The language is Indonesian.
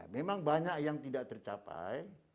memang banyak yang tidak tercapai